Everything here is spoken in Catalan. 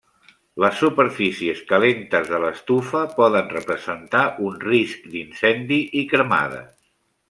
Les superfícies calentes de l'estufa poden representar un risc d'incendi i cremades.